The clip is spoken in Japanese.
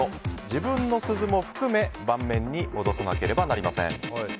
自分の鈴も含め盤面に戻さなければなりません。